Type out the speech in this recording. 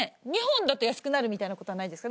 ２本だと安くなるみたいな事はないですか？